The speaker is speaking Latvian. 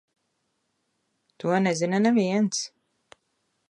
To nezina neviens.